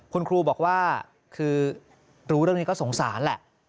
คุณครูบอกว่าคือรู้เรื่องนี้ก็สงสารแหละ